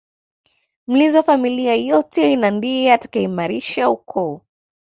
Mlinzi wa familia yote na ndiye atakayeimarisha ukoo